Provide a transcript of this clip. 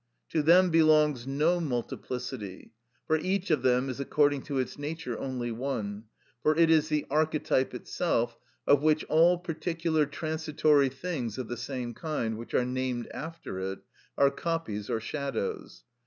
To them belongs no multiplicity; for each of them is according to its nature only one, for it is the archetype itself, of which all particular transitory things of the same kind which are named after it are copies or shadows.